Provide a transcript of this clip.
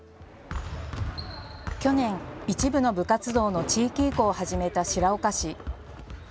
去年、一部の部活動の地域移行を始めた白岡市。